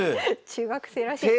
中学生らしい。